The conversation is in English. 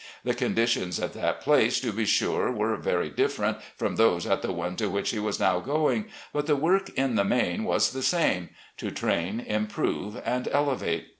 The conditions at that place, to be sure, were very different from those at the one to which he was now going, but the work in the main was the same — ^to train, improve and elevate.